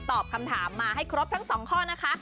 ตอบคำถามมาให้ครบทั้ง๒ข้อนะคะ